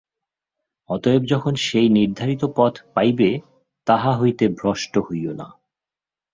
অতএব যখন সেই নির্ধারিত পথ পাইবে, তাহা হইতে ভ্রষ্ট হইও না।